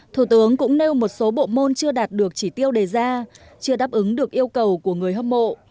thủ tướng cũng nêu một số bộ môn chưa đạt được chỉ tiêu đề ra chưa đáp ứng được yêu cầu của người hâm mộ